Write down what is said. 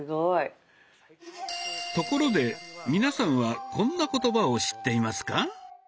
ところで皆さんはこんな言葉を知っていますか？